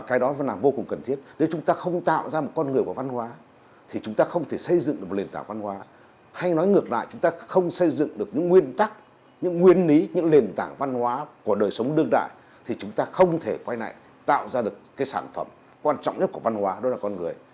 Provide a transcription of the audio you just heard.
chính lý những lền tảng văn hóa của đời sống đương đại thì chúng ta không thể quay lại tạo ra được cái sản phẩm quan trọng nhất của văn hóa đó là con người